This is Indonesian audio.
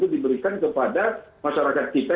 diberikan kepada masyarakat kita